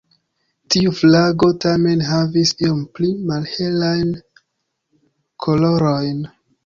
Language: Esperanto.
Tiu flago tamen havis iom pli malhelajn kolorojn.